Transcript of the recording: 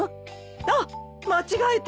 あっ間違えた！